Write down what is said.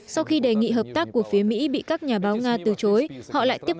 sau khi đề nghị hợp tác của phía mỹ bị các nhà báo nga từ chối